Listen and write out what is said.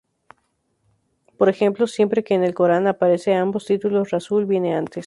Por ejemplo, siempre que en el "Corán" aparecen ambos títulos, "rasul" viene antes.